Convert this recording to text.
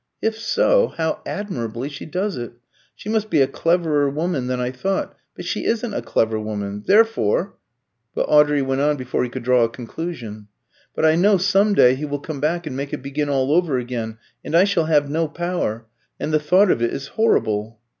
If so, how admirably she does it! She must be a cleverer woman than I thought. But she isn't a clever woman. Therefore " But Audrey went on before he could draw a conclusion. "But I know some day he will come back and make it begin all over again, and I shall have no power. And the thought of it is horrible!"